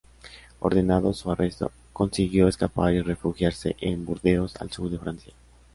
Ordenado su arresto, consiguió escapar y refugiarse en Burdeos, al sur de Francia.